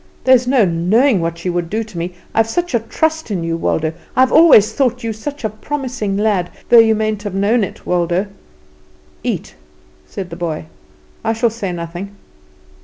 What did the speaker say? "There's no knowing what she would do to me. I've such trust in you, Waldo; I've always thought you such a promising lad, though you mayn't have known it, Waldo." "Eat," said the boy, "I shall say nothing."